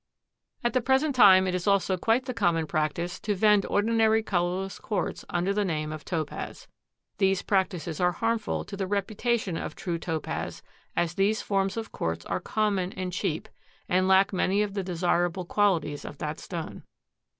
At the present time it is also quite the common practice to vend ordinary colorless quartz under the name of Topaz. These practices are harmful to the reputation of true Topaz, as these forms of quartz are common and cheap and lack many of the desirable qualities of that stone.